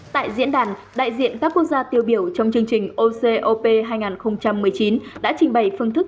tại diễn đàn đại diện các quốc gia tiêu biểu trong chương trình ocop hai nghìn một mươi chín đã trình bày phương thức